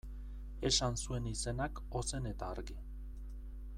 Esan zuen izenak ozen eta argi.